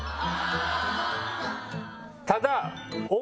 ただ。